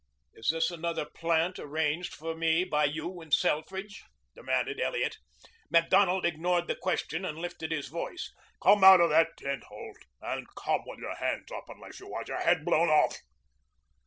"Is this another plant arranged for me by you and Selfridge?" demanded Elliot. Macdonald ignored the question and lifted his voice. "Come out of that tent, Holt, and come with your hands up unless you want your head blown off."